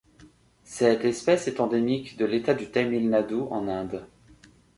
Cette espèce est endémique de l’État du Tamil Nadu en Inde.